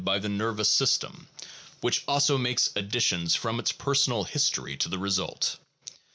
429 by the nervous system, which also makes additions from its personal history to the result.